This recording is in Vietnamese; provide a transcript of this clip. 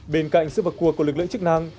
bên cạnh sự vật cuộc của lực lượng chức năng